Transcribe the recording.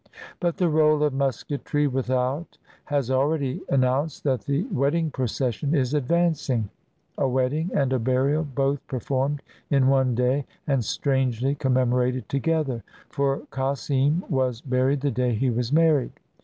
But the roll of musketry without has already an nounced that the wedding procession is advancing — a wedding and a burial both performed in one day, and strangely commemorated together; for Cossimwas buried the day he was married.